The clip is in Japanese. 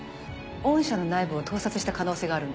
御社の内部を盗撮した可能性があるんです。